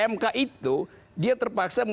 mk itu dia terpaksa